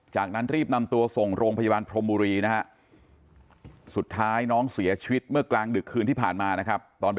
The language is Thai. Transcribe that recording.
จากนั้นรีบนำตัวส่งโรงพยาบาลพรมบุรีนะฮะสุดท้ายน้องเสียชีวิตเมื่อกลางดึกคืนที่ผ่านมานะครับตอน